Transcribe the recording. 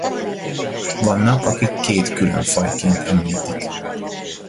Vannak akik két külön fajként említik.